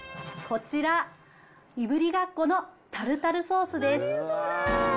こちら、いぶりがっこのタルタルソースです。